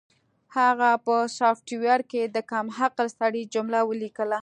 هغه په سافټویر کې د کم عقل سړي جمله ولیکله